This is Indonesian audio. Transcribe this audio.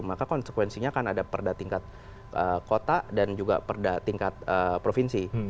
maka konsekuensinya akan ada perda tingkat kota dan juga perda tingkat provinsi